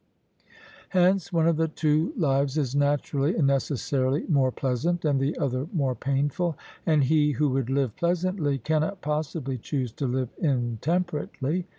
Hence one of the two lives is naturally and necessarily more pleasant and the other more painful, and he who would live pleasantly cannot possibly choose to live intemperately.